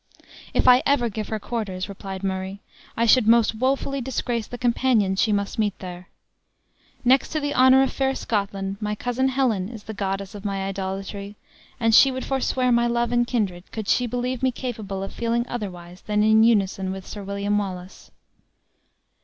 "If I ever give her quarters," replied Murray, "I should most wofully disgrace the companion she must meet there. Next to the honor of fair Scotland, my cousin Helen is the goddess of my idolatry; and she would forswear my love and kindred, could she believe me capable of feeling otherwise than in unison with Sir William Wallace."